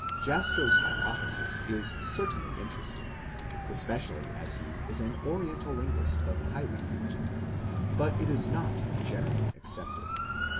Jastrow's hypothesis is certainly interesting, especially as he is an Oriental linguist of high repute. But it is not generally accepted.